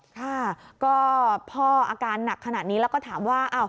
ค่ะก็พ่ออาการหนักขนาดนี้แล้วก็ถามว่า